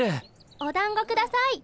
おだんご下さい。